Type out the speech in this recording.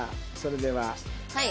はい。